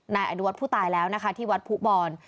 นายอันดุวัฒน์ผู้ตายแล้วนะคะที่วัฒน์ผู้บ่อน